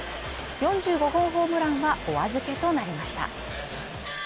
４５号ホームランはお預けとなりました